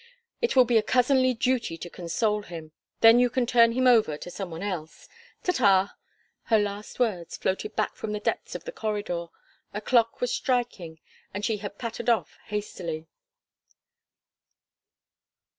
It will be a cousinly duty to console him. Then you can turn him over to some one else. Ta, ta!" Her last words floated back from the depths of the corridor; a clock was striking and she had pattered off hastily.